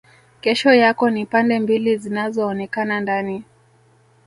Kesho yako ni pande mbili zinazoonekana ndani